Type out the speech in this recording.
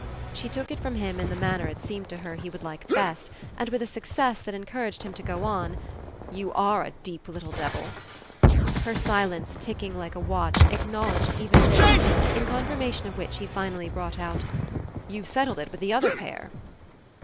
She took it from him in the manner it seemed to her he would like best and with a success that encouraged him to go on: "You ARE a deep little devil!" Her silence, ticking like a watch, acknowledged even this, in confirmation of which he finally brought out: "You've settled it with the other pair!"